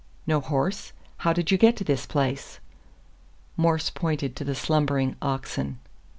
"No horse? How did you get to this place?" Morse pointed to the slumbering oxen.